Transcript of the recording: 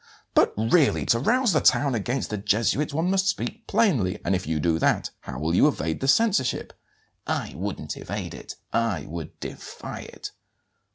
"But really to rouse the town against the Jesuits one must speak plainly; and if you do that how will you evade the censorship?" "I wouldn't evade it; I would defy it."